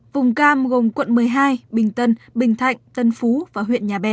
vùng cam gồm quận một mươi hai bình tân bình thạnh tân phú và huyện nhà bè